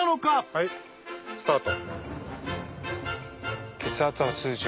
はいスタート。